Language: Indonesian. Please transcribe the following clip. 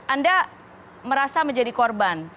anda merasa menjadi korban